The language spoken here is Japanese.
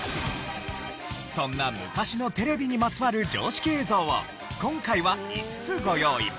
そんな昔のテレビにまつわる常識映像を今回は５つご用意。